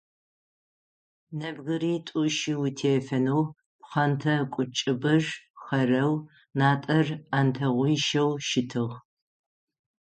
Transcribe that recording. Нэбгыритӏу-щы утефэнэу, пхъэнтӏэкӏу кӏыбыр хъэрэу, натӏэр ӏантэгъуищэу щытыгъ.